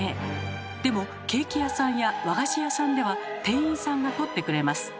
でもケーキ屋さんや和菓子屋さんでは店員さんが取ってくれます。